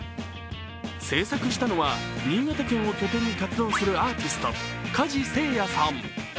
制作したのは新潟県を拠点に活動するアーティスト、加治聖哉さん。